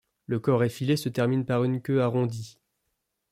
Le corps effilé se termine par une queue arrondie.